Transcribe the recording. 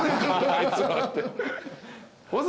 あいつらって。